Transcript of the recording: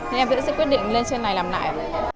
nên em vẫn sẽ quyết định lên trên này làm lại